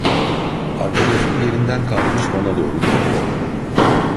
Arkadaşım yerinden kalkmış bana doğru geliyordu.